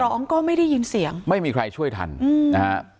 เด็กร้องก็ไม่ได้ยินเสียงไม่มีใครช่วยทันอืมอ่า